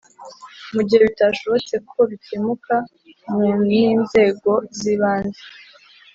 mu gihe bitashobotse ko bikemuka mu n’inzego z’ibanze